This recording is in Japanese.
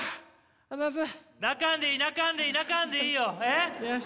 泣かんでいい泣かんでいい泣かんでいいよ！ええ？